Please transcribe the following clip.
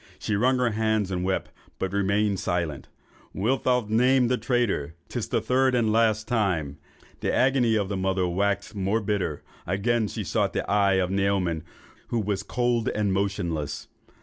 She wrung her hands and wept, but remained silent. 'Wilt thou name the traitor? 'Tis the third and last time.' The agony of the mother waxed more bitter; again she sought the eye of Naoman, but it was cold and motionless.